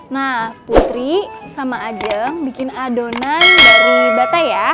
nah putri sama ajeng bikin adonan dari bata ya